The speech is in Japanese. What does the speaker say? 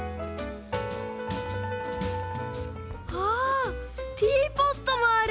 あっティーポットもある！